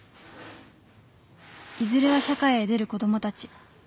いずれは社会へ出る子どもたち。